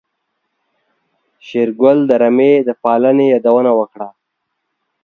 شېرګل د رمې د پالنې يادونه وکړه.